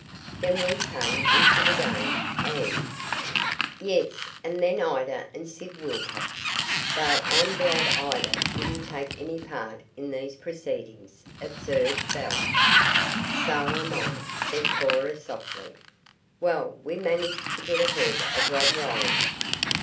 Then we came into the game, and " "Yes, and then Ida and Sid Wilcox, though I'm glad Ida didn't take any part in these proceedings," observed Belle. "So am I," said Cora softly. "Well, we managed to get ahead of Rob Roland.